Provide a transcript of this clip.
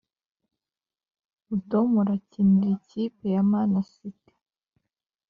Rudomoro akiniria ikipe y’amanasiti